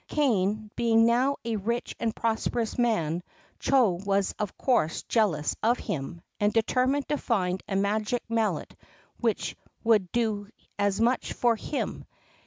Kané being now a rich and prosperous man, Chô was of course jealous of him, and determined to find a magic mallet which would do as much for him.